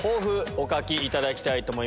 お書きいただきたいと思います。